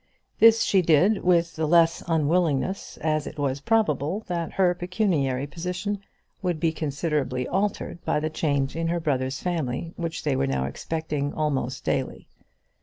This she did with the less unwillingness as it was probable that her pecuniary position would be considerably altered by the change in her brother's family which they were now expecting almost daily.